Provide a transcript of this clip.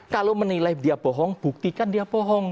kalau menilai dia bohong buktikan dia bohong